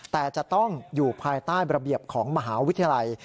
แต่จะต้องอยู่ภายใต้ระเบียบของมหาวิทยาลัย